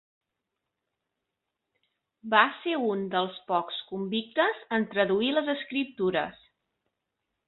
Va ser un dels pocs convictes en traduir les Escriptures.